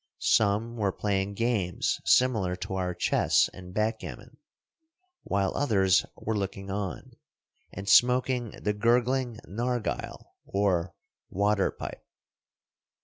Some were playing games similar to our chess and backgammon, while others were looking on, and smoking the gurgling narghile, or water pipe.